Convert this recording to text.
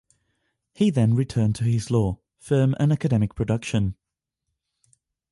He then returned to his law firm and academic production.